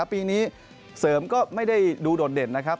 ปีนี้เสริมก็ไม่ได้ดูโดดเด่นนะครับ